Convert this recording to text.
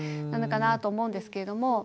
なのかなと思うんですけれども。